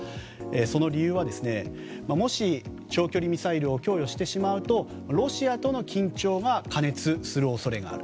その理由はもし、長距離ミサイルを供与してしまうとロシアとの緊張が過熱する恐れがある。